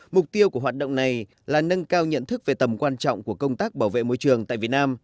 mục tiêu của hoạt động này là nâng cao nhận thức về tầm quan trọng của công tác bảo vệ môi trường tại việt nam